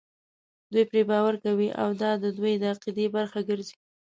دوی پرې باور کوي او دا د دوی د عقیدې برخه ګرځي.